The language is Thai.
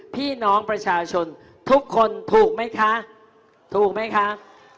พี่น้องประชาชนทุกคนถูกไหมคะ